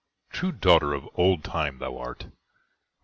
true daughter of Old Time thou art!